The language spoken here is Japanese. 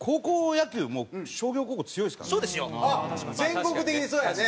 全国的にそうやね。